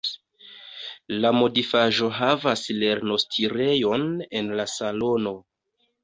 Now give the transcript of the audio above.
La modifaĵohavas lernostirejon en la salono.